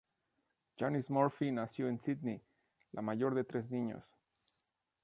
Janice Murphy nació en Sídney, la mayor de tres niños.